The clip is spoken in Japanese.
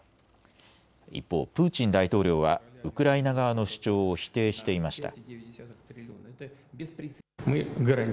一方、プーチン大統領はウクライナ側の主張を否定していました。